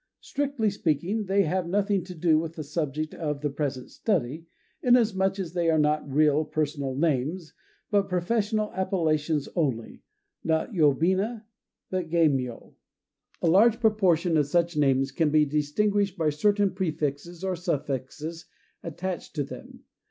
Strictly speaking, they have nothing to do with the subject of the present study, inasmuch as they are not real personal names, but professional appellations only, not yobina, but geimyô. A large proportion of such names can be distinguished by certain prefixes or suffixes attached to them.